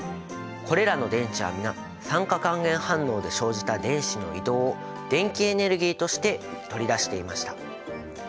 これらの電池は皆酸化還元反応で生じた電子の移動を電気エネルギーとして取り出していました。